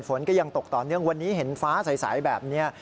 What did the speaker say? ฝนก็ยังตกต่อเนื่องวันนี้เห็นฟ้าใสแบบนี้